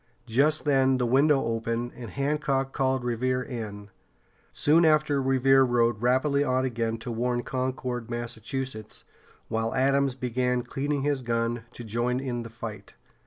Just then the window opened, and Hancock called Revere in. Soon after Revere rode rapidly on again to warn Concord, Massachusetts, while Adams began cleaning his gun to join in the fight.